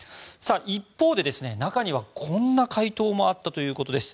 一方で中にはこんな回答もあったということです。